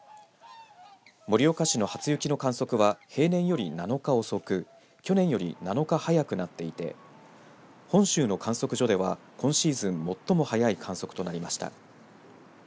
盛岡市の初雪の観測は平年より７日遅く去年より７日、早くなっていて本州の観測所では、今シーズン最も早い観測となりました。